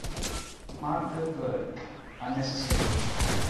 Mark that word "unnecessary".